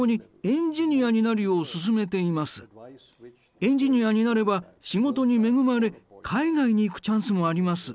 エンジニアになれば仕事に恵まれ海外に行くチャンスもあります。